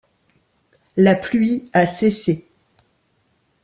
La pluie a cessé.